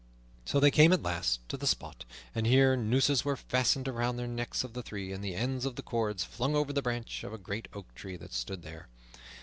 So they came at last to the spot, and here nooses were fastened around the necks of the three, and the ends of the cords flung over the branch of a great oak tree that stood there.